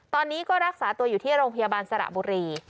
ตอนนี้ก็รักษาตัวอยู่ที่โรงพยาบาลสระบุรี